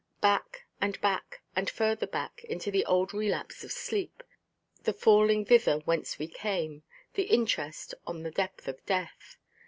Back, and back, and further back into the old relapse of sleep, the falling thither whence we came, the interest on the debt of death.